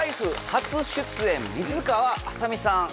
初出演水川あさみさん。